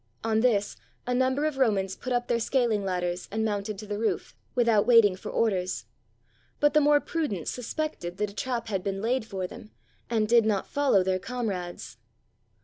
On this a number of Romans put up their scaling ladders and moimted to the roof, without waiting for orders. But the more prudent suspected that a trap had been laid for them, and did not follow their comrades.